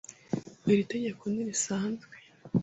Iri tegeko ntirisanzwe.